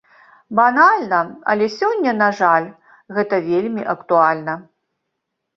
Банальна, але сёння, на жаль, гэта вельмі актуальна.